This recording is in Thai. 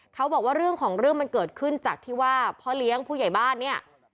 เขาบอกว่าเรื่องของเรื่องมันเกิดขึ้นจากที่ว่าพ่อเลี้ยงผู้ใหญ่บ้านเนี่ย